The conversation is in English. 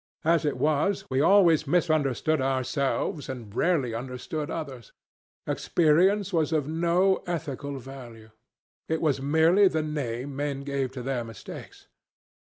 As it was, we always misunderstood ourselves and rarely understood others. Experience was of no ethical value. It was merely the name men gave to their mistakes.